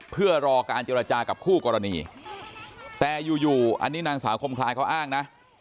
เพื่อรอการเจรจากับคู่กรณีแต่อยู่อันนี้นางสาวคมคลายเขาอ้างนะ